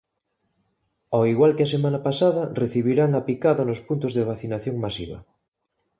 Ao igual que a semana pasada, recibirán a picada nos puntos de vacinación masiva.